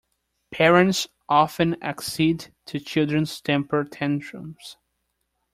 Parents often accede to children's temper tantrums.